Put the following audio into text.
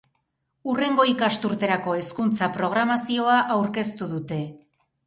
Hurrengo ikasturterako hezkuntza-programazioa aurkeztu dute.